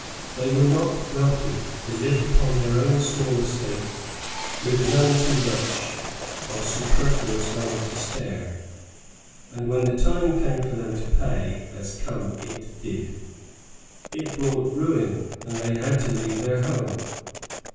They were not wealthy; they lived upon their own small estate, with none too much of superfluous money to spare, and when the time came for them to pay as come it did it brought ruin, and they had to leave their home.